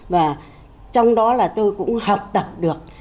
và trong đó là tôi cũng học tập được